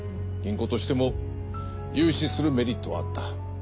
銀行としても融資するメリットはあった。